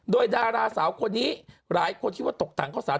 ด้วยดาราสาวคนนี้หลายคนคิดว่าตกทางเขาศาสตร์